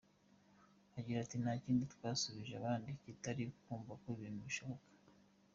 Agira ati "Nta kindi twarushije abandi, kitari ukumva ko ibintu bishoboka.